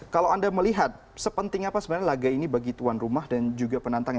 kalau anda melihat sepenting apa sebenarnya laga ini bagi tuan rumah dan juga penantangnya